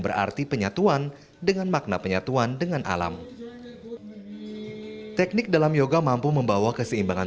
berarti penyatuan dengan makna penyatuan dengan alam teknik dalam yoga mampu membawa keseimbangan